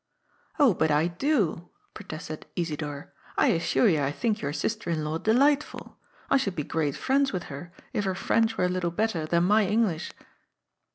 " Oh but I do," protested Isidor. " I assure you I think your sister in law delightful I should be great friends with her if her French were a little better than my Eng lish."